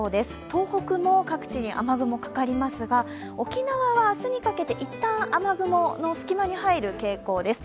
東北も各地に雨雲がかかりますが、沖縄は明日にかけていったん雨雲の隙間に入る傾向です。